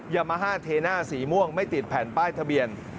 ยามาฮ่าเทน่าสีม่วงไม่ติดแผ่นป้ายทะเบียน